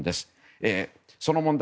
その問題